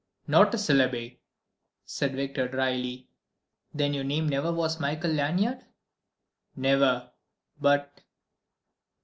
"Not a syllable," said Victor, dryly. "Then your name never was Michael Lanyard?" "Never, but